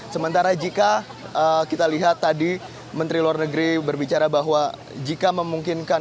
sementara jika kita lihat tadi menteri luar negeri berbicara bahwa jika memungkinkan